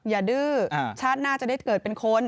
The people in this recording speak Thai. ดื้อชาติหน้าจะได้เกิดเป็นคน